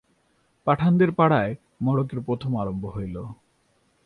পাঠানদের পাড়ায় মড়কের প্রথম আরম্ভ হইল।